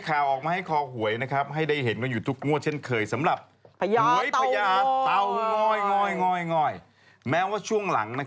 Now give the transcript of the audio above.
ฉันเป็นคนไม่ค่อยเชื่อถือเรื่องแบบนี้